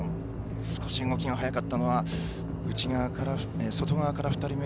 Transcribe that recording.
少し動きが速かったのは外側から２人目。